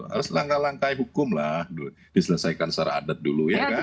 harus langkah langkah hukum lah diselesaikan secara adat dulu ya kan